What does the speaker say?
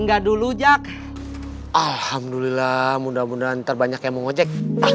alhamdulillah mudah mudahan terbanyak yang mau ngejek